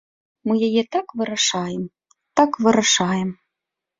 Мы яе як вырашаем, так вырашаем.